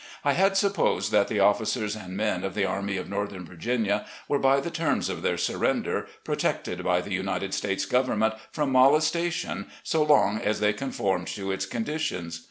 I had supposed that the officers and men of the Army of Northern Virginia were, by the terms of their surrender, protected by the United States Government from molestation so long as they conformed to its conditions.